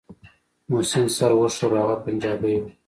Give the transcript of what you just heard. محسن سر وښوراوه هغه پنجابى و.